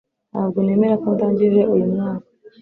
ntabwo nemera ko ndangije uyu mwaka